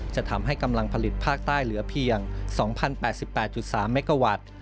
จะทำให้กำลังผลิตภาคใต้เหลือเพียง๒๐๘๘๓เมกาวัตต์